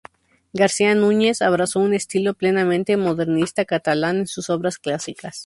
García Núñez abrazó un estilo plenamente modernista catalán en sus obras clásicas.